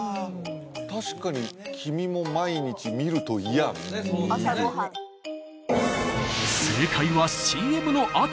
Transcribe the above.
確かに黄身も毎日見るといやあ朝ご飯正解はＣＭのあと！